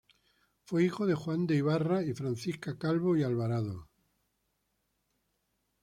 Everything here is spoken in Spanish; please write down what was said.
Fue hijo de Juan de Ibarra y Francisca Calvo y Alvarado.